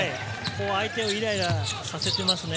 相手をイライラさせてますね。